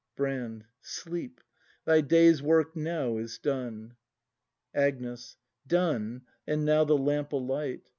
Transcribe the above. Brand. Sleep! thy day's work now is done. Agnes. Done, and now the lamp alight.